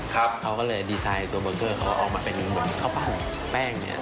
ครับเขาก็เลยดีไซน์ตัวเบอร์เกอร์เขาออกมาเป็นเหมือนข้าวปั้นแป้งเนี่ย